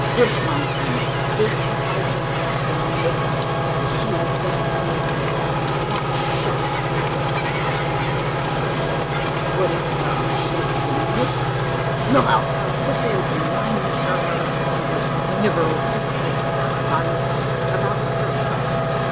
"Dismount, then! Take your pouch an' flask along wi' ye ye see I've got myen? One shot at ye's all I'll want, I reck'n. But ef thur shed be a miss, look out for quick loadin'! an' mind, mister! thur's one o' us'll niver leave this clarin' alive." "About the first shot?